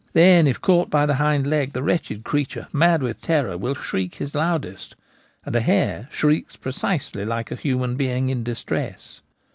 Then if caught by the hind leg, the wretched creature, mad with terror, will shriek his loudest ; and a hare shrieks precisely like a human being in distress.